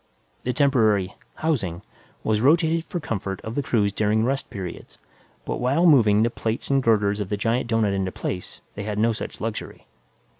The temporary "housing" was rotated for comfort of the crews during rest periods, but while moving the plates and girders of the giant doughnut into place, they had no such luxuries.